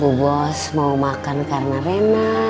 bu bos mau makan karena rena